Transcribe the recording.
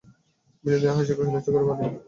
বিনোদিনী হাসিয়া কহিল, চোখের বালি।